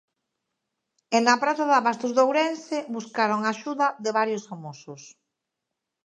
E na praza de abastos de Ourense buscaron a axuda de varios famosos.